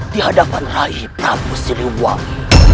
di hadapan raih prabu siliwang